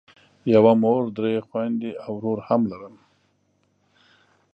یوه مور درې خویندې او ورور هم لرم.